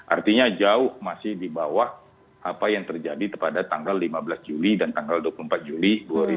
artinya jauh masih di bawah apa yang terjadi pada tanggal lima belas juli dan tanggal dua puluh empat juli dua ribu dua puluh